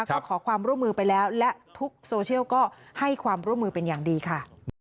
ก็ขอความร่วมมือไปแล้วและทุกโซเชียลก็ให้ความร่วมมือเป็นอย่างดีค่ะ